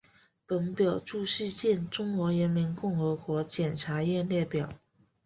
本表注释见中华人民共和国检察院列表。